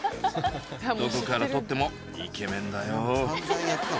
どこから撮ってもイケメンだよ。